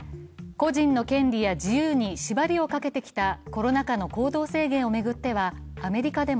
個人の権利や自由に縛りをかけてきたコロナ禍の行動制限を巡ってはアメリカでも。